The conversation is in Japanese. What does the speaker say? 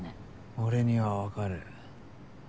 俺には分かる。